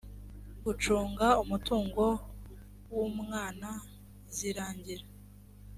gucunga umutungo w umwana zirangira